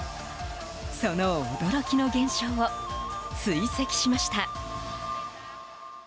その驚きの現象を追跡しました。